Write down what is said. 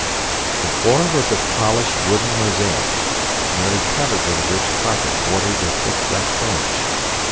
The floor was of polished wooden mosaic, nearly covered with a rich carpet bordered with thick black fringe.